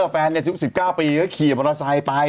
แฟนนี้๑๙ปีเคยินบรตไซน์ไป